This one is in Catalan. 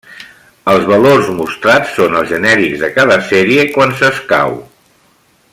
Els valors mostrats són els genèrics de cada sèrie, quan s’escau.